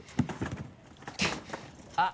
あっ。